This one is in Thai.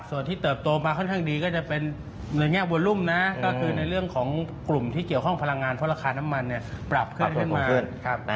ส่วนที่เติบโตมาค่อนข้างดีก็จะเป็นในแง่วนลุ่มนะก็คือในเรื่องของกลุ่มที่เกี่ยวข้องพลังงานเพราะราคาน้ำมันปรับเพิ่มขึ้นมา